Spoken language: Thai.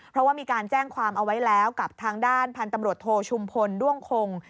เพราะว่ามีการแจ้งความเอาไว้แล้วกับทางด้านพันธุ์ตำรวจโทชุมพลด้วงคง